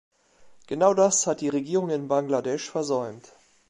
Genau das hat die Regierung in Bangladesh versäumt.